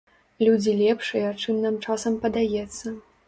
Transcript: Людзі лепшыя, чым нам часам падаецца.